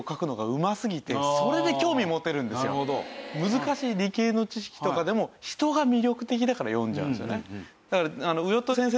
難しい理系の知識とかでも人が魅力的だから読んじゃうんですよね。